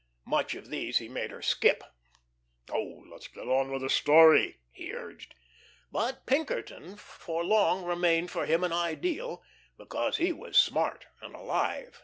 Much of these he made her skip. "Oh, let's get on with the 'story,'" he urged. But Pinkerton for long remained for him an ideal, because he was "smart" and "alive."